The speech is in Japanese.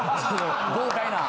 豪快な。